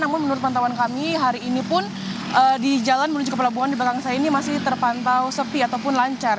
namun menurut pantauan kami hari ini pun di jalan menuju ke pelabuhan di belakang saya ini masih terpantau sepi ataupun lancar